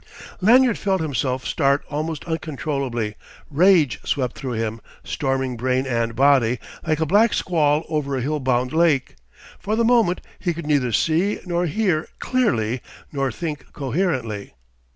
Lanyard felt himself start almost uncontrollably: rage swept through him, storming brain and body, like a black squall over a hill bound lake. For the moment he could neither see or hear clearly nor think coherently.